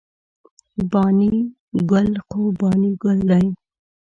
بانی ګل خو بانی ګل داي